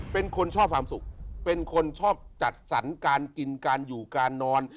เป็นคนชอบความสุขเป็นคนชอบจัดสรรการกินการอยู่การนอน